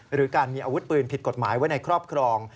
หรือการมีอาวุธปืนผิดกฎหมายไว้ในครอบครอง